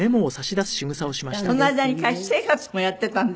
その間に歌手生活もやってたんですってね。